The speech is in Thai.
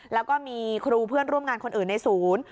แล้วก็มีครูเพื่อนร่วมงานคนอื่นในศูนย์